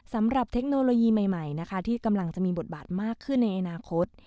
สำหรับเทคโนโลยีใหม่ที่กำลังจะมีบทบาทมากขึ้นในอนาคต